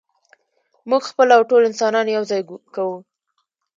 موږ خپله او ټول انسانان یو ځای کوو.